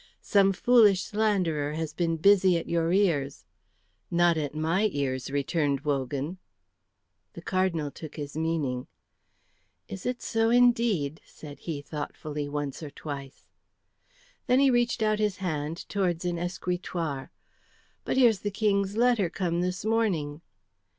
"Some foolish slanderer has been busy at your ears." "Not at my ears," returned Wogan. The Cardinal took his meaning. "Is it so, indeed?" said he, thoughtfully, once or twice. Then he reached out his hand towards an escritoire. "But here's the King's letter come this morning."